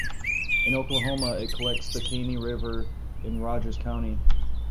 In Oklahoma it collects the Caney River in Rogers County.